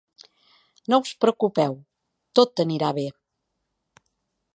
No us preocupeu: tot anirà bé.